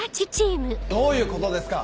どういうことですか？